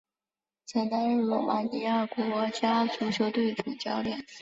曾担任罗马尼亚国家足球队主教练。